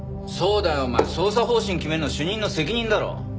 そうだよお前捜査方針決めるの主任の責任だろ。